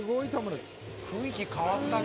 雰囲気変わったな。